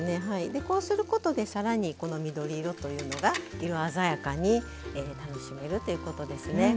こうすることでさらに、この緑色というのが色鮮やかに楽しめるということですね。